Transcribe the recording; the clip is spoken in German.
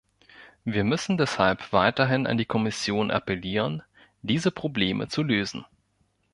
Wir müssen deshalb weiterhin an die Kommission appellieren, diese Probleme zu lösen.